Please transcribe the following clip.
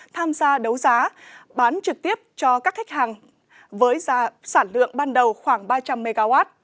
tham gia đấu giá bán trực tiếp cho các khách hàng với giá sản lượng ban đầu khoảng ba trăm linh mw